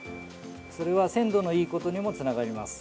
それは鮮度のいいことにもつながります。